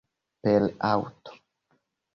Per aŭto?